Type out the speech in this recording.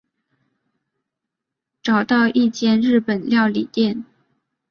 找到一间日本料理店